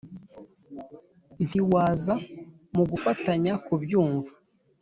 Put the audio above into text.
ntiwaza mugafatanya kubyumva